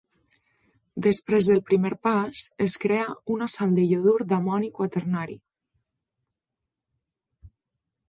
Després del primer pas, es crea una sal de iodur d'amoni quaternari.